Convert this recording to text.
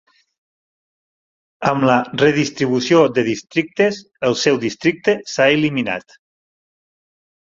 Amb la redistribució de districtes, el seu districte s'ha eliminat.